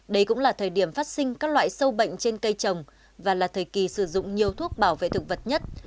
đây cũng là thời điểm phát sinh các loại sâu bệnh trên cây trồng và là thời kỳ sử dụng nhiều thuốc bảo vệ thực vật nhất